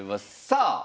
さあ！